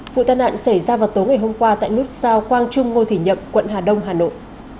vụ tai nạn xảy ra vào tối ngày hôm qua tại nút sao quang trung ngô thị nhậm quận hà đông hà nội